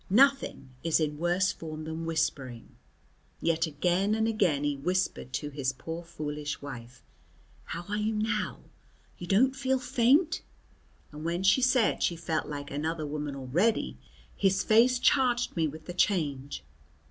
Nothing is in worse form than whispering, yet again and again he whispered to his poor, foolish wife, "How are you now? You don't feel faint?" and when she said she felt like another woman already, his face charged me with the change.